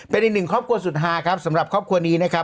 เป็นอีกหนึ่งครอบครัวสุดฮาครับสำหรับครอบครัวนี้นะครับ